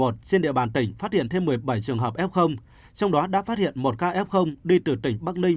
trên địa bàn tỉnh phát hiện thêm một mươi bảy trường hợp f trong đó đã phát hiện một ca f đi từ tỉnh bắc ninh